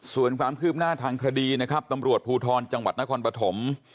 ส่วนความคืบหน้าทางคดีนะครับตำรวจภูทรจังหวัดนครปฐม